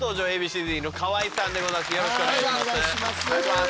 よろしくお願いします。